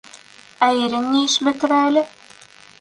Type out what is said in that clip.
Ә ирең ни эш бөтөрә әле?